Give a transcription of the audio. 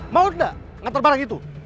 mau tidak ngantar barang itu